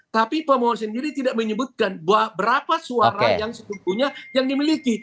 tapi pemohon sendiri tidak menyebutkan berapa suara yang sebetulnya yang dimiliki